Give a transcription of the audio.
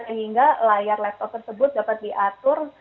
sehingga layar laptop tersebut dapat diatur